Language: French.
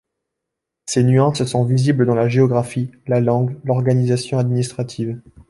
Ces nuances sont visibles dans la géographie, la langue, l'organisation administrative.